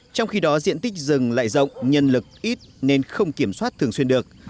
trong khi đó diện tích rừng lại rộng nhân lực ít nên không kiểm soát thường xuyên được